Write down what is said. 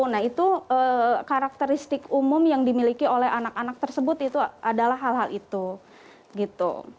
nah itu karakteristik umum yang dimiliki oleh anak anak tersebut itu adalah hal hal itu gitu